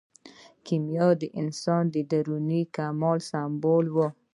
کیمیا د انسان د دروني کمال سمبول و.